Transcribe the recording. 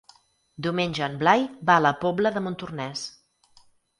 Diumenge en Blai va a la Pobla de Montornès.